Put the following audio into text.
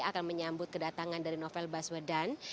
akan menyambut kedatangan dari novel baswedan